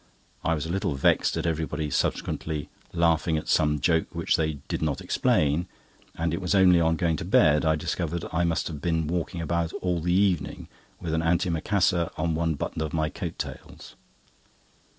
I was a little vexed at everybody subsequently laughing at some joke which they did not explain, and it was only on going to bed I discovered I must have been walking about all the evening with an antimacassar on one button of my coat tails.